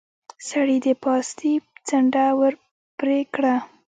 سړي د پاستي څنډه ور پرې کړه.